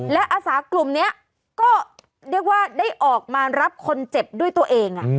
และอาสากลุ่มนี้ก็เรียกว่าได้ออกมารับคนเจ็บด้วยตัวเอง